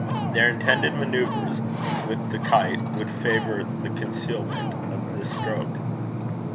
Their intended manoeuvres with the kite would favour the concealment of this stroke.